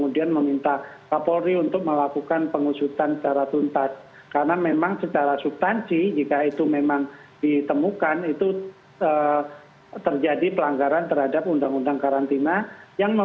diminta untuk melakukan karantina mandiri ya